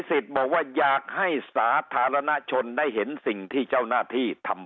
บอกว่าอยากให้สาธารณชนได้เห็นสิ่งที่เจ้าหน้าที่ทำ